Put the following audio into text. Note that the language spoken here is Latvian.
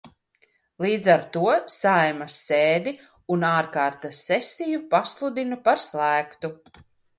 Līdz ar to Saeimas sēdi un ārkārtas sesiju pasludinu par slēgtu.